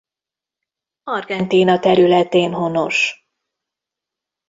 Argentína területén honos.